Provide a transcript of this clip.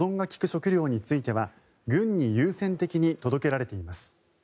食料については軍に優先的に届けられています。